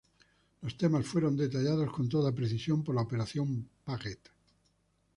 Los temas fueron detallados con toda precisión por la Operación Paget.